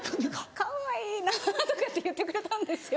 「かわいいなぁ」とかって言ってくれたんですよ。